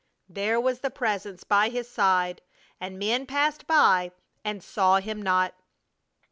There was the Presence by his side, and men passed by and saw Him not!